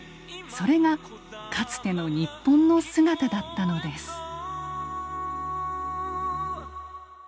それがかつての日本の姿だったのです。